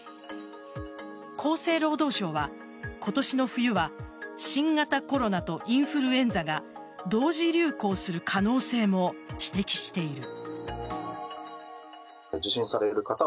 厚生労働省は今年の冬は新型コロナとインフルエンザが同時流行する可能性も指摘している。